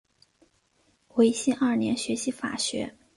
维新二年学习法学。